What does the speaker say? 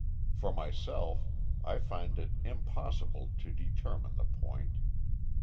For myself, I find it impossible to determine the point.